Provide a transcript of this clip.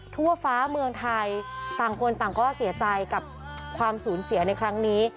ทั่วฟ้าเมืองไทยต่างคนต่างก็เสียใจกับความสูญเสียในครั้งนี้